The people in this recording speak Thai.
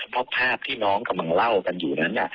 เพราะภาพที่น้องกำลังเล่ากันอยู่นั้น